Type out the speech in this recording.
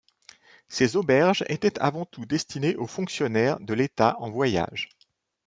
Ces auberges étaient avant tout destinées aux fonctionnaires de l’État en voyage.